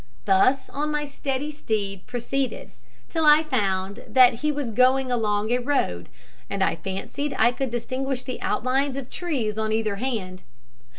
Thus on my steady steed proceeded, till I found that he was going along a road, and I fancied I could distinguish the outlines of trees on either hand.